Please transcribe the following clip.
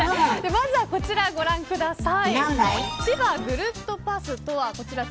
まずは、こちらご覧ください。